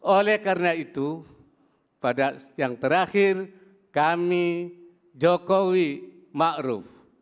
oleh karena itu pada yang terakhir kami jokowi ma'ruf